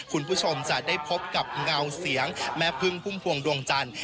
คุณผู้ชมจะได้พบกับเงาเสียงแม่พึ่งพุ่มพวงดวงจันทร์